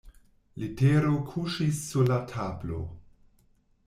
Letero kuŝis sur la tablo.